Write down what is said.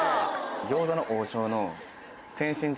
餃子の王将の。